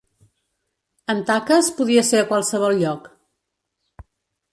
En Taques podia ser a qualsevol lloc.